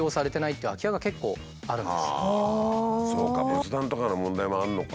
そうか仏壇とかの問題もあるのか。